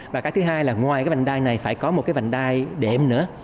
và cái thứ hai là ngoài cái vạn đai này phải có một cái vạn đai đệm nữa